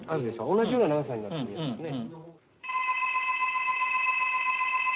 同じような長さになってますね。